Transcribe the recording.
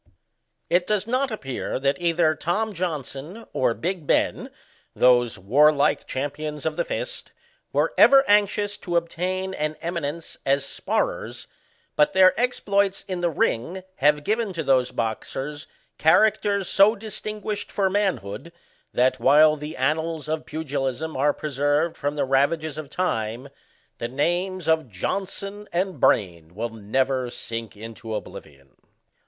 It does not appear that either Tom Johnson or Big Bbn, those warlike champions of the fist, were ever anxious to obtain an eminence as sparrers, but their exploits in the ring have given to those boxers CHARACTERS SO distinguished for manhood, that, while the annals of pugilism are preserved from the ravages of time, the names of Johnson and Brain will never sink into oblivion.